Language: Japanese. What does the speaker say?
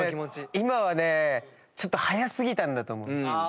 今はねちょっと速過ぎたんだと思う。